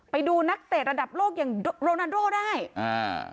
ไปดูนักเตะระดับโลกอย่างโรนันโรได้อ่า